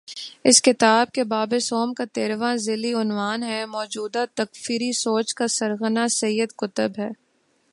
اس کتاب کے باب سوم کا تیرھواں ذیلی عنوان ہے: موجودہ تکفیری سوچ کا سرغنہ سید قطب ہے۔